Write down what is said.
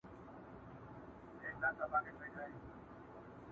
کرۍ ورځ یم وږې تږې ګرځېدلې؛